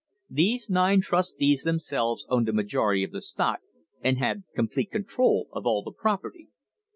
These nine trustees themselves owned a majority of the stock and had complete control of all the property.